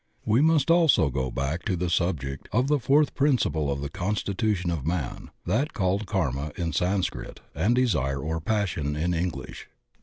We must also go back to the subject of the foiuth principle of the constitution of man, that called Kama in Sanscrit and desire or passion in Eng lish.